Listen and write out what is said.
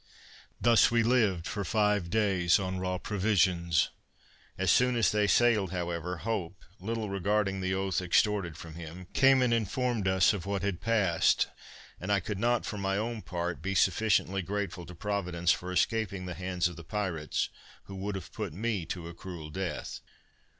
Thus we lived for five days on raw provisions. As soon as they sailed, however, Hope, little regarding the oath extorted from him, came and informed us of what had passed; and I could not, for my own part, be sufficiently grateful to Providence for escaping the hands of the pirates, who would have put me to a cruel death.